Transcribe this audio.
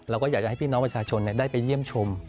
เราก็อยากจะให้พี่น้องประชาชนได้ไปเยี่ยมชม